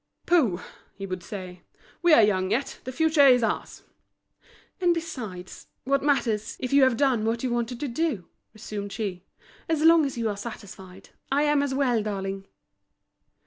"Pooh!" he would say, "we are young yet The future is ours." "And besides, what matters, if you have done what you wanted to do?" resumed she. "As long as you are satisfied, I am as well, darling."